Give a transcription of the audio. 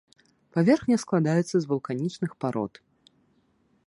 Паверхня складаецца з вулканічных парод.